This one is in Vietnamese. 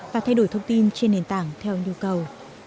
và thay đổi thông tin trên nền tảng theo nhu cầu